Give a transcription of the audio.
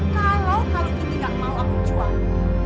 kalau kamu juga gak mau aku jual